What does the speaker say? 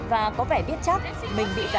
và có vẻ biết chắc mình bị giàn cảnh